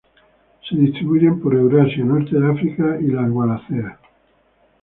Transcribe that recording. Se distribuyen por Eurasia, norte de África y la Wallacea.